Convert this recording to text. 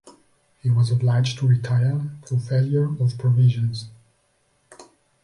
He was obliged to retire through failure of provisions.